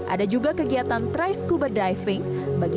ada juga kegiatan tri scooper diving